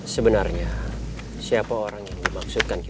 sebenarnya siapa orang yang dimaksudkan kita